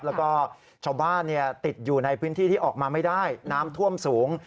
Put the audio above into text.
แล้วก็ชาวบ้านติดอยู่ในพื้นที่ที่ออกมาไม่ได้น้ำท่วมสูง